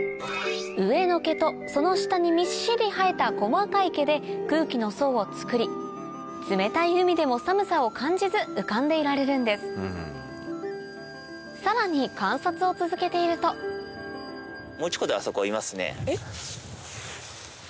上の毛とその下にみっしり生えた細かい毛で空気の層を作り冷たい海でも寒さを感じず浮かんでいられるんですさらに観察を続けているとえっ？